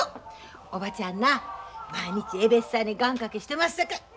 おばちゃんな毎日えべっさんに願かけしてますさかい。